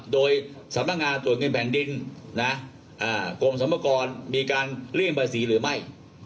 โดยสำนักงานตรวจเงินแผ่นดินกรมสรรพากรมีการเลี่ยงภาษีหรือไม่